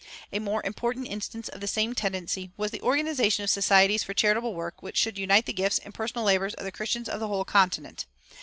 A more important instance of the same tendency was the organization of societies for charitable work which should unite the gifts and personal labors of the Christians of the whole continent.